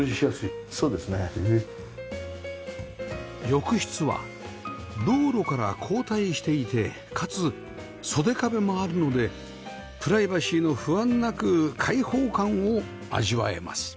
浴室は道路から後退していてかつ袖壁もあるのでプライバシーの不安なく開放感を味わえます